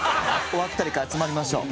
終わったら１回集まりましょう。